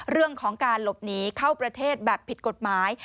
เรื่องของการหลบหนีเข้าประเทศแบบผิดกฎหมาย